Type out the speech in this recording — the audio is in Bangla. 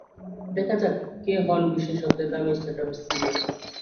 দেখা যাক, কে হোন বিশ্বের সবচেয়ে দামি স্টার্টআপের সিইও।